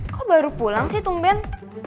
kok baru pulang sih tung ben